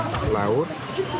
dan dia lebih tua adalah